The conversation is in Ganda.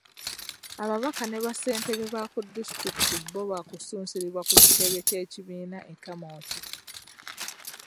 Ababaka ne bassentebe ba disitulikiti bbo baakusunsulibwa ku kitebe ky'ekibiina e Kamwokya.